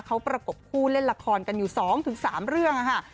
เขาประกบคู่เล่นละครกันอยู่๒๓เรื่องค่ะ